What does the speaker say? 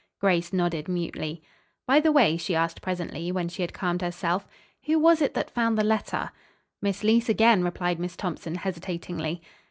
Grace nodded mutely. "By the way," she asked presently, when she had calmed herself, "who was it that found the letter?" "Miss Leece again," replied Miss Thompson, hesitatingly.